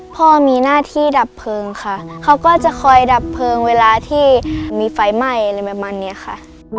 พ่อมีหน้าที่ดับเพลิงค่ะเขาก็จะคอยดับเพลิงเวลาที่มีไฟไหม้อะไรประมาณนี้ค่ะ